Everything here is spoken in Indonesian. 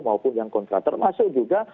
maupun yang kontra termasuk juga